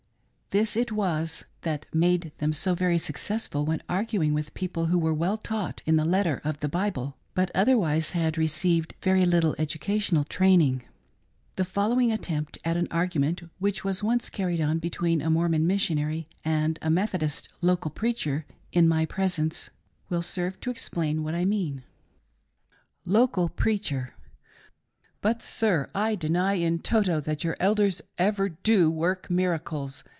This it was that METHODIST VerSUS MORMON. 75 made them so very successful when arguing with people who were well taught in the letter of the Bible, but otherwise had received very little educational training. The following attempt at an argument, which was once car ried on between a Mormon Missionary and a Methodist local preacher, in my presence will serve to explain what I mean :— Local Preacher : But, sir, I deny in toto that your elders ever do work miracles.